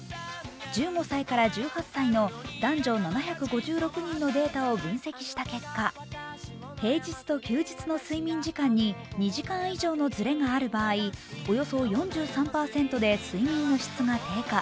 １５歳から１８歳の男女７５６人のデータを分析した結果、平日と休日の睡眠時間に２時間以上のずれがある場合、およそ４３％で睡眠の質が低下。